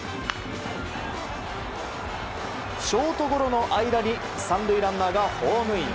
ショートゴロの間に３塁ランナーがホームイン。